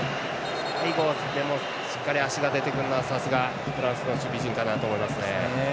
最後、しっかり足が出てくるのはさすが、フランスの守備陣だなと思いますね。